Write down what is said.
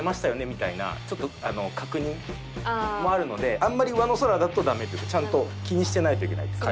みたいな確認もあるのであんまり上の空だとダメっていうかちゃんと気にしてないといけないです